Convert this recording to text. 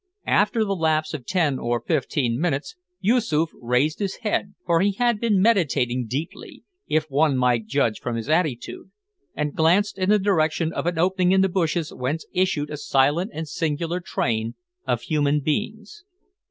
After the lapse of ten or fifteen minutes, Yoosoof raised his head for he had been meditating deeply, if one might judge from his attitude and glanced in the direction of an opening in the bushes whence issued a silent and singular train of human beings.